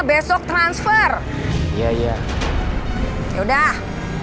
besok transfer ya ya ya udah